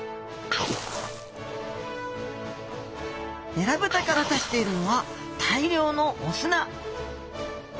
エラブタから出しているのは大量のお砂！